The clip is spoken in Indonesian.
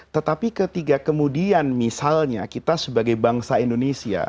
tetapi ketika kemudian misalnya kita sebagai bangsa indonesia